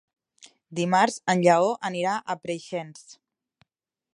Dimarts en Lleó anirà a Preixens.